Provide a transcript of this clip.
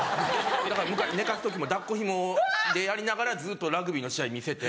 だから寝かす時も抱っこひもでやりながらずっとラグビーの試合見せて。